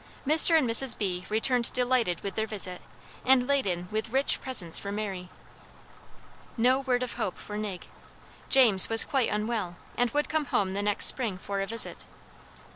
Mr. and Mrs. B. returned delighted with their visit, and laden with rich presents for Mary. No word of hope for Nig. James was quite unwell, and would come home the next spring for a visit.